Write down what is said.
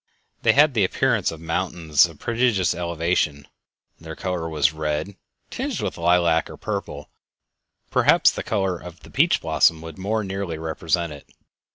They had the appearance of mountains of a prodigious elevation; their color was red tinged with lilac or purple; perhaps the color of the peach blossom would more nearly represent it.